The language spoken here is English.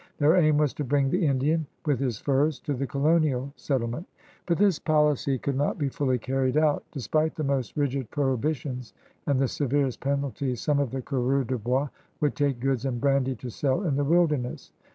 Their aim was to bring the Indian with his furs to the colonial settlement. But this policy cotdd 178 CRUSADEBS OP NEW FRANCE not be fully carried out. Despite the most rigid prohibitions and the severest penalties, some of the caureurs'de'bois would take goods and brandy to sell in the wilderness.